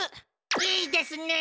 いいですねえ！